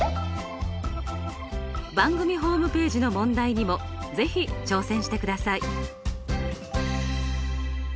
番組ホームページの問題にも是非挑戦してください。